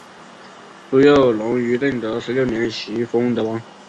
朱佑榕于正德十六年袭封德王。